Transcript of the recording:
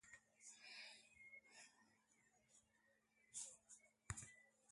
But in a tale called "The Lily of Lumley" he has a previous wife.